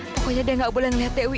pokoknya dia gak boleh ngeliat dewi